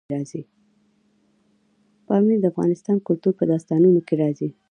پامیر د افغان کلتور په داستانونو کې راځي.